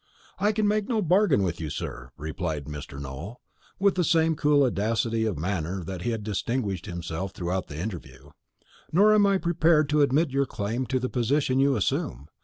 "I can make no bargain with you, sir," replied Mr. Nowell, with the same cool audacity of manner that had distinguished him throughout the interview; "nor am I prepared to admit your claim to the position you assume.